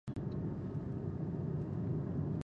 بدخشان د افغانستان د پوهنې نصاب کې شامل دي.